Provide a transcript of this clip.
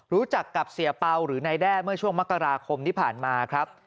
รู้จักกับเสียเปล่าหรือนายแด้เมื่อช่วงมกราคมที่ผ่านมาครับ